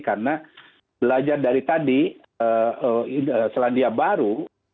karena belajar dari tadi selandia baru